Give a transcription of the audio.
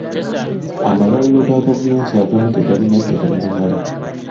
Amalwaliro ga gavumenti agamu tegalina ddagala limala.